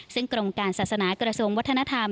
ซึ่งกรมการศาสนากระทรวงวัฒนธรรม